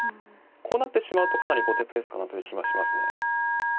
こうなってしまうとかなり後手ペースかなという気はしますね。